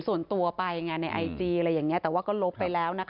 ส่วนตัวไปไงในไอจีอะไรอย่างนี้แต่ว่าก็ลบไปแล้วนะคะ